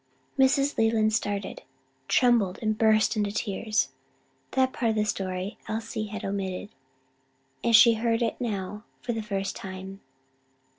Mrs. Leland started, trembled and burst into tears. That part of the story Elsie had omitted, and she now heard it for the first time.